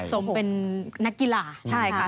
สมเป็นนักกีฬา